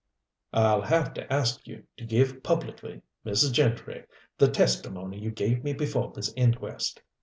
"I'll have to ask you to give publicly, Mrs. Gentry, the testimony you gave me before this inquest."